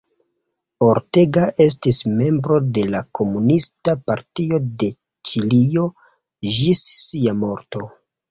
Ortega estis membro de la Komunista Partio de Ĉilio ĝis sia morto.